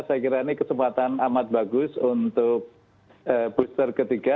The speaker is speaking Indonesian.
saya kira ini kesempatan amat bagus untuk booster ketiga